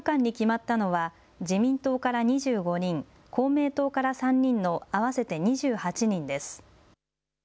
政務官に決まったのは自民党から２５人公明党から３人の合わせて２８人です。